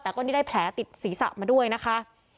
แต่ก็นี่ได้แผลติดศีรษะมาด้วยนะคะ